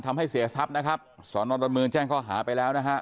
ทำให้เสียทรัพย์นะครับสอนอดอนเมืองแจ้งข้อหาไปแล้วนะฮะ